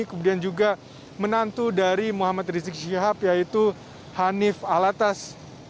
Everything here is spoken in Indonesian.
kemudian juga menantu dari muhammad rizik syihab yaitu hanif alatas